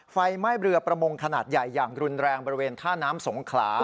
ไฟไหม้เรือประมงขนาดใหญ่อย่างรุนแรงบริเวณท่าน้ำสงขลา